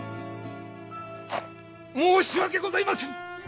申し訳ございませぬ！